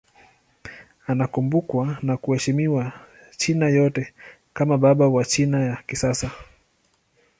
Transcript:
Anakumbukwa na kuheshimiwa China yote kama baba wa China ya kisasa.